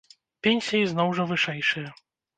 Пенсіі, зноў жа, вышэйшыя.